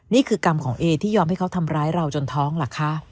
นี่คือกรรมของเอที่ยอมให้เขาทำร้ายเราจนท้องเหรอคะ